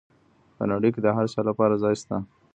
په نړۍ کي د هر چا لپاره ځای سته.